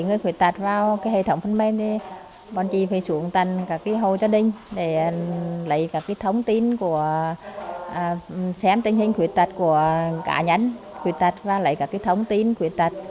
khi khuyết tật vào hệ thống phần mềm thì bọn chị phải xuống tận các hộ gia đình để lấy thông tin xem tình hình khuyết tật của cả nhánh khuyết tật và lấy thông tin khuyết tật